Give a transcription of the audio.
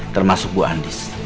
termasuk bu andis